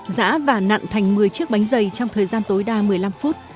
dạ và nặn thành một mươi chiếc bánh dày trong thời gian tối đa một mươi năm phút